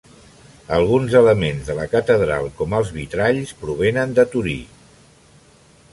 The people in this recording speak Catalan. Alguns elements de la catedral, com els vitralls, provenen de Torí.